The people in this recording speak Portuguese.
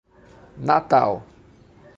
Natal